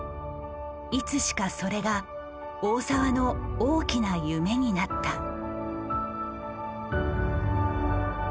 いつしかそれが大澤の大きな夢になった。